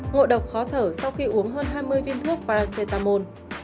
ngộ độc khó thở sau khi uống hơn hai mươi viên thuốc paracetamol